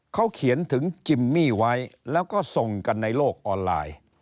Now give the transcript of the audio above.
เขาเขียนถึงจิมมี่ไว้แล้วก็ส่งกันในโลกออนไลน์